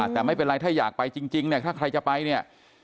แต่ไม่เป็นไรถ้าอยากไปจริงถ้าใครจะไป